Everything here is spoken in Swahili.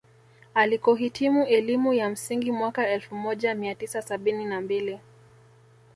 Alikohitimu elimu ya msingi mwaka elfu moja mia tisa sabini na mbili